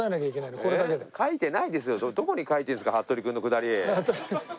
どこに書いてるんですかハットリくんのくだり。